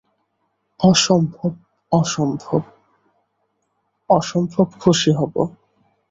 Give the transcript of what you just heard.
অসম্ভব, অসম্ভব, অসম্ভব খুশি হব।